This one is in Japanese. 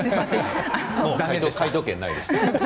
もう解答権ないです。